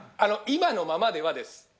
今のままではです。